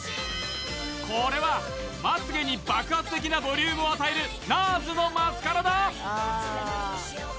これはまつげに爆発的なボリュームを与えるＮＡＲＳのマスカラだ！